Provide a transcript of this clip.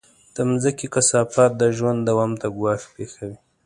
د مځکې کثافات د ژوند دوام ته ګواښ پېښوي.